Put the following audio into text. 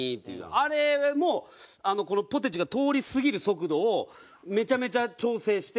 あれもポテチが通り過ぎる速度をめちゃめちゃ調整して。